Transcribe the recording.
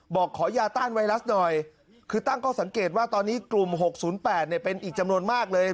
บอกขอยาต้านไวรัสหน่อยคือตั้งข้อสังเกตว่าตอนนี้กลุ่ม๖๐๘เป็นอีกจำนวนมากเลย